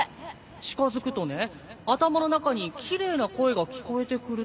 近づくとね頭の中に奇麗な声が聞こえてくるって